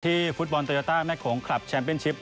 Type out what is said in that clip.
ฟุตบอลโตโยต้าแม่โขงคลับแชมเป็นชิป